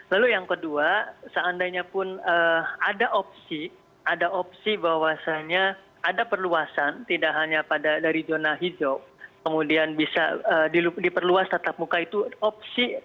lalu yang kedua seandainya pun ada opsi ada opsi bahwasannya ada perluasan tidak hanya pada dari zona hijau kemudian bisa diperluas tatap muka itu opsi